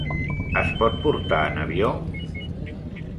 Es pot portar en avió?